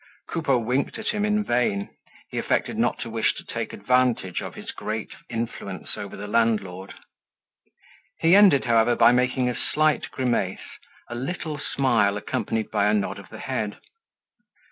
Coupeau winked at him in vain; he affected not to wish to take advantage of his great influence over the landlord. He ended, however, by making a slight grimace—a little smile accompanied by a nod of the head.